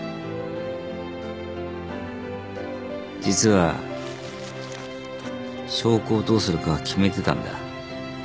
実は証拠をどうするか決めてたんだ。